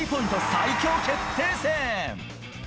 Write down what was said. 最強決定戦。